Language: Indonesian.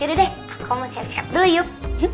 jadi deh aku mau siap siap dulu yuk